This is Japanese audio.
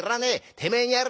てめえにやる。